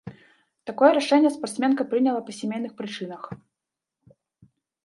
Такое рашэнне спартсменка прыняла па сямейных прычынах.